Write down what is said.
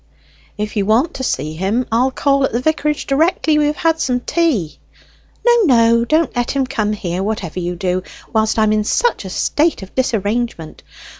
"If you want to see him, I'll call at the vicarage directly we have had some tea." "No, no! Don't let him come down here, whatever you do, whilst I am in such a state of disarrangement.